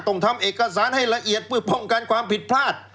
ต้องทำเอกสารให้ละเอียดเพื่อป้องกันความผิดพลาด